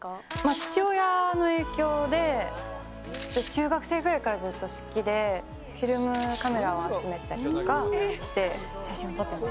父親の影響で、中学生くらいからずっと好きで、フィルムカメラを集めたりだとかして、写真撮ってます。